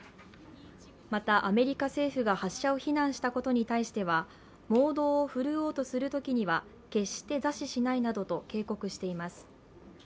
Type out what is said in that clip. また、アメリカ政府が発射を非難したことに対しては盲動を振るおうとするときには決して座視しないなどと警告しています。